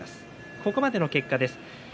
ここまでの結果です。